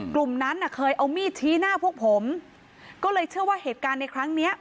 กลุ่มนั้นน่ะเคยเอามีดชี้หน้าพวกผมก็เลยเชื่อว่าเหตุการณ์ในครั้งเนี้ย